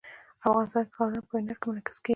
افغانستان کې ښارونه په هنر کې منعکس کېږي.